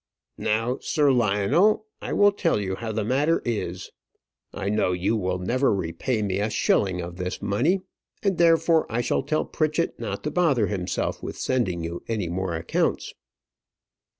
"Now, Sir Lionel, I will tell you how the matter is. I know you will never repay me a shilling of this money, and therefore I shall tell Pritchett not to bother himself with sending you any more accounts."